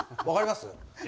わかります？